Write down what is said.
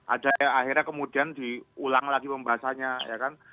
ada akhirnya kemudian diulang lagi pembahasannya ya kan